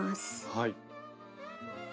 はい。